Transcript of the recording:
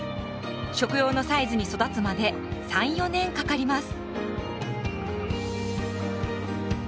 食用のサイズに育つまで３４年かかります。